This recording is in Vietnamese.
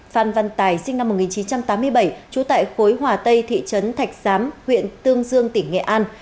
phan văn tài sinh năm một nghìn chín trăm tám mươi bảy trú tại khối hòa tây thị trấn thạch xám huyện tương dương tỉnh nghệ an